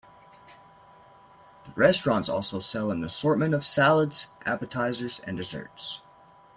The restaurants also sell an assortment of salads, appetizers, and desserts.